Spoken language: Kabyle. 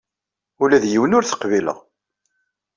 Ula d yiwen ur t-qbileɣ.